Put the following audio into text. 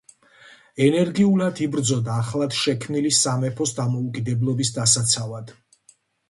ენერგიულად იბრძოდა ახლად შექმნილი სამეფოს დამოუკიდებლობის დასაცავად.